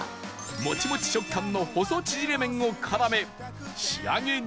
モチモチ食感の細ちぢれ麺を絡め仕上げに